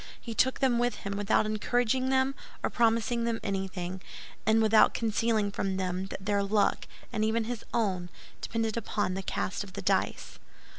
He took them with him, without encouraging them or promising them anything, and without concealing from them that their luck, and even his own, depended upon the cast of the dice.